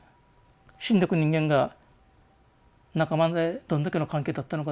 死んでく人間が仲間でどんだけの関係だったのかですね